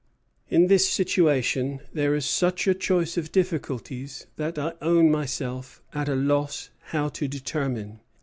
In this situation there is such a choice of difficulties that I own myself at a loss how to determine.